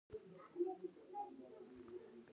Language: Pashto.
هغه فکر کاوه چې لیوه راغلی دی.